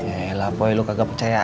eh lah poi lu kagak percaya